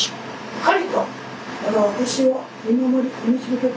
はい。